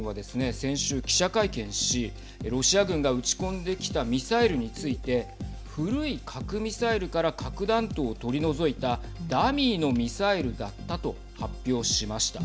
先週、記者会見しロシア軍が撃ち込んできたミサイルについて古い核ミサイルから核弾頭を取り除いたダミーのミサイルだったと発表しました。